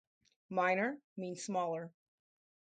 "Minor" means 'smaller'.